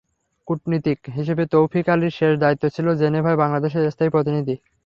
কূটনীতিক হিসেবে তৌফিক আলীর শেষ দায়িত্ব ছিল জেনেভায় বাংলাদেশের স্থায়ী প্রতিনিধি।